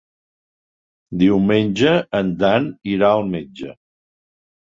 Diumenge en Dan irà al metge.